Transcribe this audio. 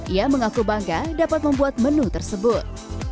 ia mengaku bangga dapat membuat menu tersebut